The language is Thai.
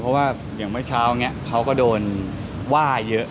เพราะว่าอย่างเมื่อเช้านี้เขาก็โดนว่าเยอะ